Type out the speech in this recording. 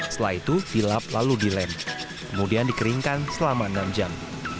setelah itu vilap lalu dilem kemudian dikeringkan selama enam jam